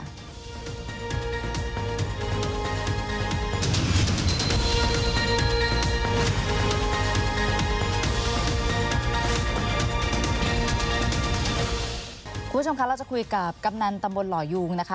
คุณผู้ชมคะเราจะคุยกับกำนันตำบลหล่อยูงนะคะ